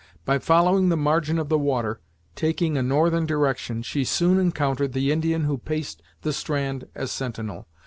By following the margin of the water, taking a northern direction, she soon encountered the Indian who paced the strand as sentinel.